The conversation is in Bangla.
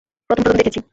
প্রথম প্রথম দেখেছি।